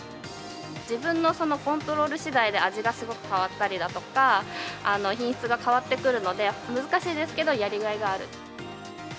自分のコントロールしだいで味がすごく変わったりだとか、品質が変わってくるので、難しいですけど、やりがいがある。